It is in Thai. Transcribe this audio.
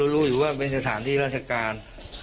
รู้อยู่ว่าเป็นสถานที่ราชการ